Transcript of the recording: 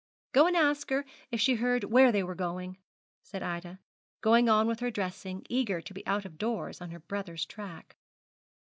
'Go and ask her if she heard where they were going,' said Ida, going on with her dressing, eager to be out of doors on her brother's track.